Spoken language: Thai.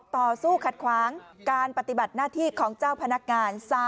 ต่อสู้ขัดขวางการปฏิบัติหน้าที่ของเจ้าพนักงาน